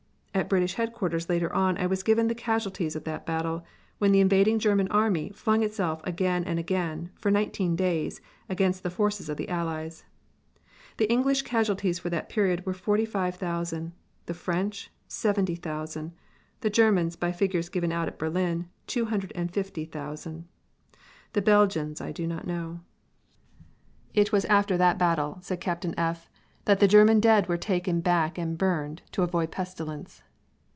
At British Headquarters later on I was given the casualties of that battle, when the invading German Army flung itself again and again, for nineteen days, against the forces of the Allies: The English casualties for that period were forty five thousand; the French, seventy thousand; the German, by figures given out at Berlin, two hundred and fifty thousand. The Belgian I do not know. "It was after that battle," said Captain F , "that the German dead were taken back and burned, to avoid pestilence."